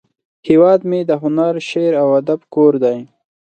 هیواد مې د هنر، شعر، او ادب کور دی